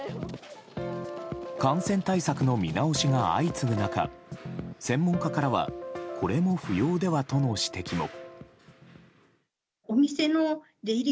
感染対策の見直しが相次ぐ中専門家からはこれも不要ではとの指摘も。